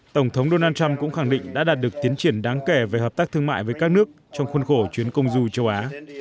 tổng thống donald trump cũng khẳng định đã đạt được tiến triển đáng kể về hợp tác thương mại với các nước trong khuôn khổ chuyến công du châu á